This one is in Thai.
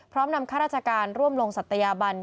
พร้อมนำข้าราชการร่วมลงศัตยาบัน